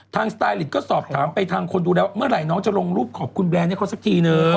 สไตลิตก็สอบถามไปทางคนดูแล้วเมื่อไหร่น้องจะลงรูปขอบคุณแบรนด์ให้เขาสักทีนึง